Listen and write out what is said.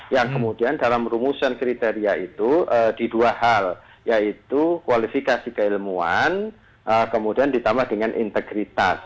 yang kemudian dalam rumusan kriteria itu di dua hal yaitu kualifikasi keilmuan kemudian ditambah dengan integritas